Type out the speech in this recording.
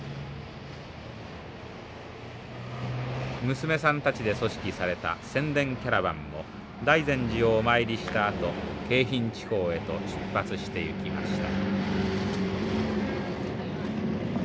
娘さんたちで組織された宣伝キャラバンも大善寺をお参りしたあと京浜地方へと出発していきました。